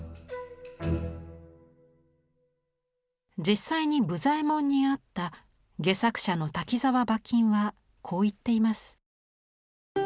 実際に武左衛門に会った戯作者の滝沢馬琴はこう言っています。